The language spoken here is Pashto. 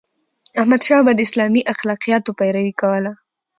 احمدشاه بابا د اسلامي اخلاقياتو پیروي کوله.